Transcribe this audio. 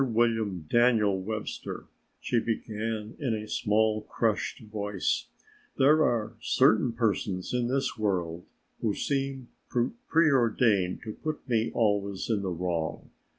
William Daniel Webster," she began in a small crushed voice, "there are certain persons in this world who seem preordained to put me always in the wrong.